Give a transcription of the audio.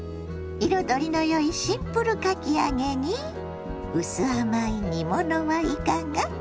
彩りのよいシンプルかき揚げにうす甘い煮物はいかが。